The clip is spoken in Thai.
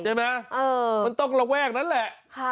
ใช่ไหมมันต้องระแวกนั้นแหละ